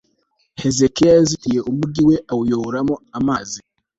hezekiya yazitiye umugi we, awuyoboramo amazi